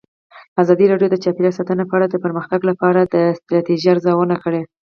ازادي راډیو د چاپیریال ساتنه په اړه د پرمختګ لپاره د ستراتیژۍ ارزونه کړې.